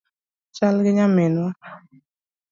Achal gi nyaminwa